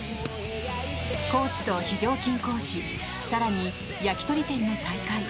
コーチと非常勤講師更に焼き鳥店の再開。